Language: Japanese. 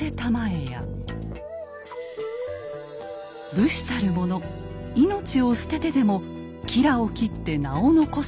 「武士たるもの命を捨ててでも吉良を斬って名を残せ」。